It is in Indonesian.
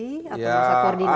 atau masalah koordinasi